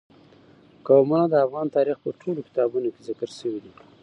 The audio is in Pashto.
قومونه د افغان تاریخ په ټولو کتابونو کې ذکر شوي دي.